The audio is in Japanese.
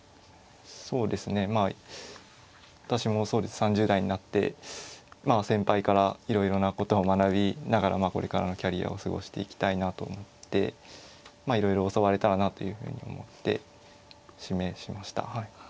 そうですねまあ私も３０代になってまあ先輩からいろいろなことを学びながらこれからのキャリアを過ごしていきたいなと思っていろいろ教われたらなというふうに思って指名しました。